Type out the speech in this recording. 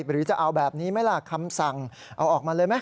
หรือจะเอาแบบนี้ไหมล่ะคำสั่งเอาออกมาเลยไหม